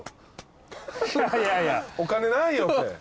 お金ないよって。